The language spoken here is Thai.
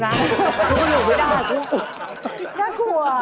ถ้ามันจะหลงไม่ได้